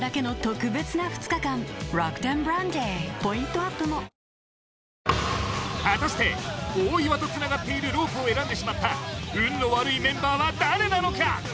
「トータルＶクリーム」果たして大岩とつながっているロープを選んでしまった運の悪いメンバーは誰なのか？